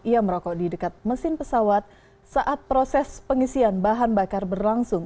ia merokok di dekat mesin pesawat saat proses pengisian bahan bakar berlangsung